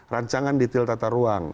rancangan detail tata ruang